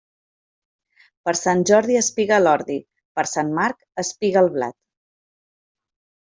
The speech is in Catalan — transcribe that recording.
Per Sant Jordi espiga l'ordi; per Sant Marc, espiga el blat.